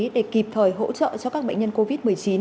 để kịp thời hỗ trợ cho các bệnh nhân covid một mươi chín